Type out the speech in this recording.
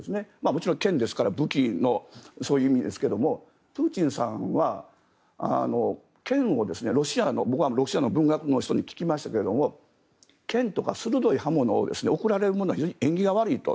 もちろん剣ですから武器のそういう意味ですがプーチンさんは剣をロシアの文学の人に聞きましたが剣とか鋭い刃物を贈られるのは非常に縁起が悪いと。